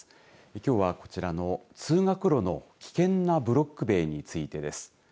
きょうはこちらの通学路の危険なブロック塀についてです。